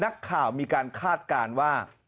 นักข่าวมีการคาดการณ์ว่า